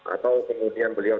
atau kemudian beliau